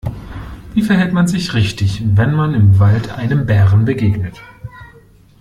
Wie verhält man sich richtig, wenn man im Wald einem Bären begegnet?